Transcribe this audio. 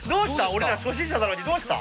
俺ら初心者なのにどうした？